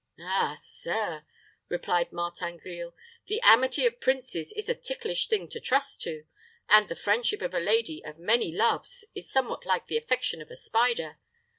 "Ah! sir," replied Martin Grille; "the amity of princes is a ticklish thing to trust to; and the friendship of a lady of many loves is somewhat like the affection of a spider.